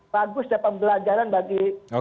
bagus dan pembelajaran bagi